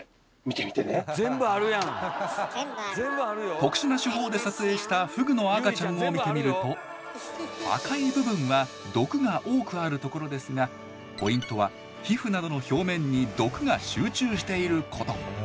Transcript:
特殊な手法で撮影したフグの赤ちゃんを見てみると赤い部分は毒が多くあるところですがポイントは皮膚などの表面に毒が集中していること。